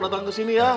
datang ke sini ya